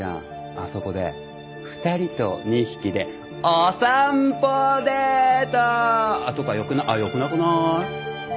あそこで２人と２匹でお散歩デートとかよくなよくなくない？